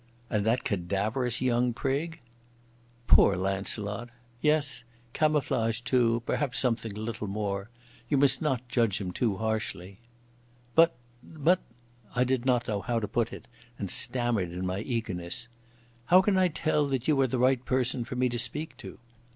"And that cadaverous young prig?" "Poor Launcelot! Yes—camouflage too—perhaps something a little more. You must not judge him too harshly." "But ... but—" I did not know how to put it, and stammered in my eagerness. "How can I tell that you are the right person for me to speak to?